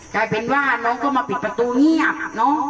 กลายเป็นว่าน้องก็มาปิดประตูเงียบน้อง